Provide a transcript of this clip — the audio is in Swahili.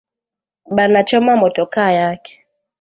Bana choma motoka yake